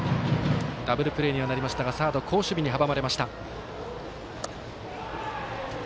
ダブルプレーにはなりましたがサードの好守備に阻まれました。